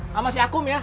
sama si akum ya